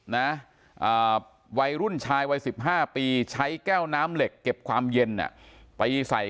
นะวัยรุ่นชายวัย๑๕ปีใช้แก้วน้ำเหล็กเก็บความเย็นไปใส่